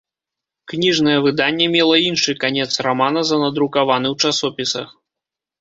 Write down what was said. Кніжнае выданне мела іншы канец рамана за надрукаваны ў часопісах.